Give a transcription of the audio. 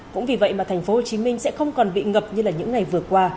cũng vì vậy mà thành phố hồ chí minh sẽ không còn bị ngập như là những ngày vừa qua